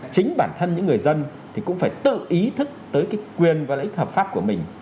chính bản thân những người dân thì cũng phải tự ý thức tới cái quyền và lợi ích hợp pháp của mình